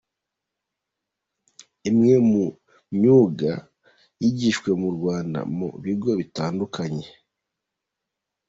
Imwe mu myuga yigishwa mu Rwanda mu bigo bitandukanye.